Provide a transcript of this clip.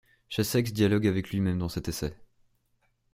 Chessex dialogue avec lui-même dans cet essai.